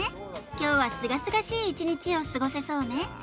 今日はすがすがしい一日を過ごせそうね